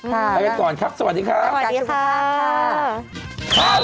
ไปก่อนครับสวัสดีครับ